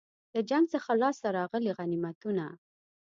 له جنګ څخه لاسته راغلي غنیمتونه.